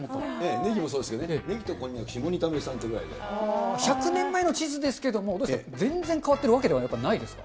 ネギもそうですけど、ネギとこんにゃく、１００年前の地図ですけれども、どうですか、全然変わってるわけではないですか。